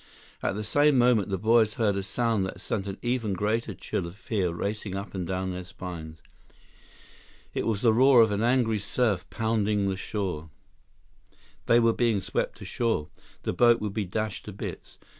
At the same moment, the boys heard a sound that sent an even greater chill of fear racing up and down their spines. It was the roar of an angry surf pounding the shore. They were being swept ashore. The boat would be dashed to bits.